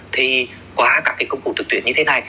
thì qua các cái công cụ trực tuyến như thế này